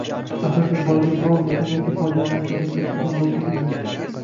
– axir siz bolaga biror muhim yoki foydali narsa gapirib turgan bo‘lishingiz mumkin.